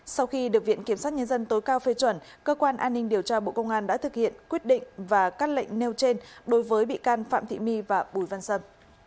sau khi được viện kiểm sát nhân dân tối cao phê chuẩn cơ quan an ninh điều tra bộ công an đã thực hiện quyết định và các lệnh nêu trên đối với bị can phạm thị my và bùi văn sâm